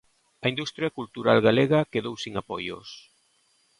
A industria cultural galega quedou sen apoios.